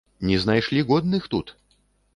Не знайшлі годных тут?